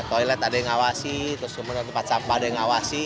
toilet ada yang ngawasi terus kemudian tempat sampah ada yang ngawasi